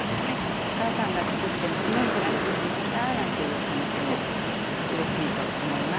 お母さんが作って娘に取られてしまったなんていう話もうれしいと思います。